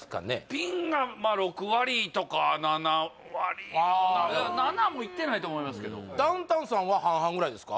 ピンが６割とか７割７もいってないと思いますけどダウンタウンさんは半々ぐらいですか？